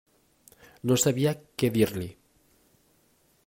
No sabia què dir-li.